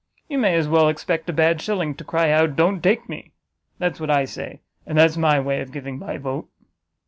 you may as well expect a bad shilling to cry out don't take me! That's what I say, and that's my way of giving my vote."